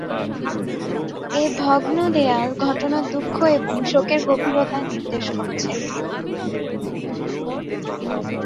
এ ভগ্ন দেয়াল ঘটনার দুঃখ ও শোকের গভীরতা নির্দেশ করছে।